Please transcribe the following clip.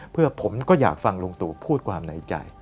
เพื่อผมก็อยากฟังลุงตู่พูดความในใจ